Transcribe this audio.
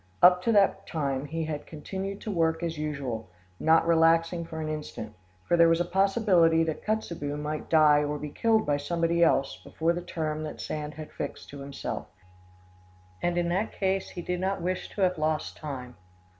Up to that time he had continued to work as usual, not relaxing for an instant; for there was a possibility that Kotzebue might die or be killed by somebody else before the term that Sand had fixed to himself, and in that case he did not wish to have lost time.